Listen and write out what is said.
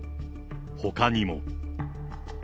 ほかにも。